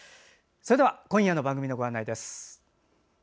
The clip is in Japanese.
それでは今夜の番組のご案内です。